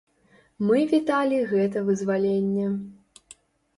Мы віталі гэта вызваленне.